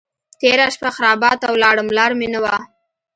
تېره شپه خرابات ته ولاړم لار مې نه وه.